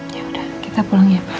yaudah kita pulang ya pak